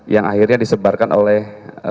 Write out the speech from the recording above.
yang akhirnya disebarkan oleh